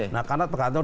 nah karena tergantung